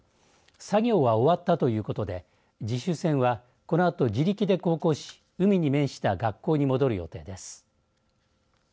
作業は終わったということで実習船は、このあと自力で航行し海に面した学校に戻る予定です。